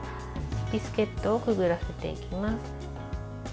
ビスケットをくぐらせていきます。